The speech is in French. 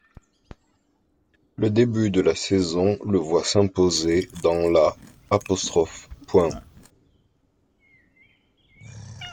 Le début de saison le voit s'imposer dans la '.